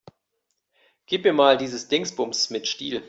Gib mir mal dieses Dingsbums mit Stiel.